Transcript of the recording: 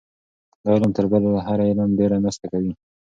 دا علم تر بل هر علم ډېره مرسته کوي.